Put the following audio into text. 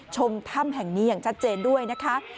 ชมถ้ำแห่งนี้อย่างชัดเจนด้วยนะคะ